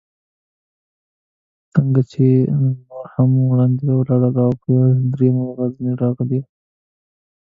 څنګه چې نور هم وړاندې ولاړو، په یوه درېیمه غرنۍ لړۍ ورننوتو.